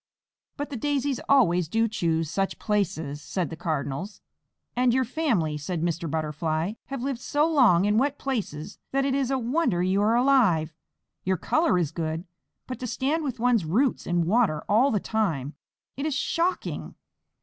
"But the Daisies always do choose such places," said the Cardinals. "And your family," said Mr. Butterfly, "have lived so long in wet places that it is a wonder you are alive. Your color is good, but to stand with one's roots in water all the time! It is shocking."